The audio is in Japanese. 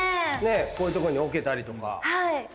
こういうとこに置けたりとか。